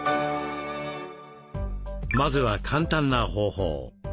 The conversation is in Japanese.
まずは簡単な方法。